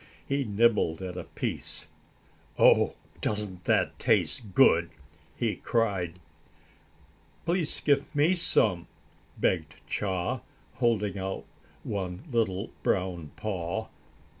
He nibbled at a piece. "Oh, doesn't that taste good!" he cried. "Please give me some," begged Chaa, holding out one little, brown paw.